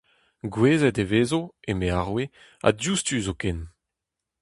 Gouezet e vezo, eme ar roue, ha diouzhtu zoken.